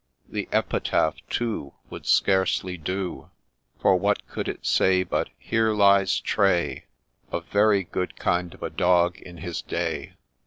The epitaph, too, Would scarcely do : For what could it say, but, ' Here lies Tray, A very good kind of a dog in his day